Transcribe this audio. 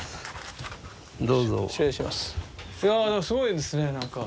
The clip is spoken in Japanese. いやでもすごいですねなんか。